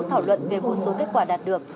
thảo luận về một số kết quả đạt được